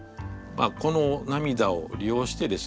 この涙を利用してですね